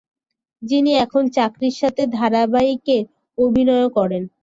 যিনি এখন চাকরির সাথে ধারাবাহিকে অভিনয়ও করেন।